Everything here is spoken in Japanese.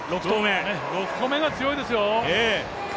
６投目が強いですよ。